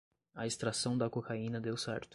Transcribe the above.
A extração da cocaína deu certo